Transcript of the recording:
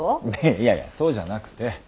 いやいやそうじゃなくて。